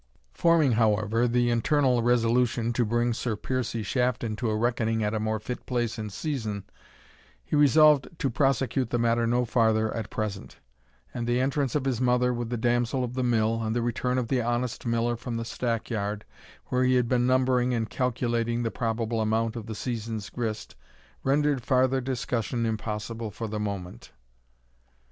Forming, however, the internal resolution to bring Sir Piercie Shafton to a reckoning at a more fit place and season, he resolved to prosecute the matter no farther at present; and the entrance of his mother with the damsel of the Mill, and the return of the honest Miller from the stack yard, where he had been numbering and calculating the probable amount of the season's grist, rendered farther discussion impossible for the moment.